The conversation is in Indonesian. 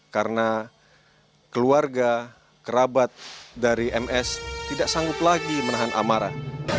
karena keluarga kerabat dari ms tidak sanggup lagi menahan amarah